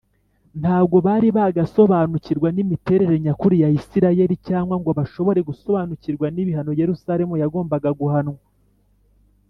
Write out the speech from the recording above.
ntabwo bari baragasobanukirwa n’imiterere nyakuri ya isirayeli, cyangwa ngo bashobore gusobanukirwa n’ibihano yerusalemu yagombaga guhanwa